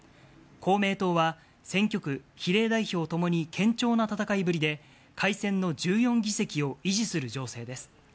公明党は、選挙区、比例代表ともに、堅調な戦いぶりで、改選の１４議席を維持する情勢です。